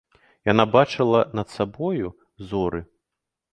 Яна бачыла над сабою зоры.